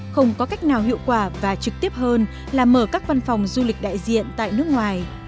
không có cách nào hiệu quả và trực tiếp hơn là mở các văn phòng du lịch đại diện tại nước ngoài